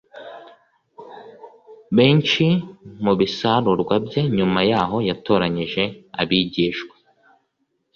benshi mu bisarurwa bye nyuma yaho yatoranyije abigishwa